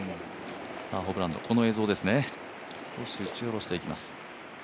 ホブランド、この映像ですね少し打ち下ろしていきます。